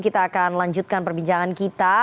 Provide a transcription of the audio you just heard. kita akan lanjutkan perbincangan kita